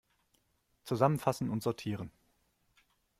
Zusammenfassen und sortieren!